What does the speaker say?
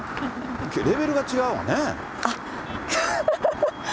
レベルが違うわね。